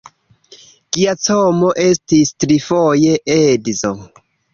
Giacomo estis trifoje edzo.